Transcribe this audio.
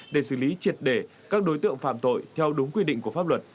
để xử lý triệt để các đối tượng phạm tội theo đúng quy định của pháp luật